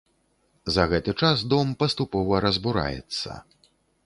За гэты час дом паступова разбураецца.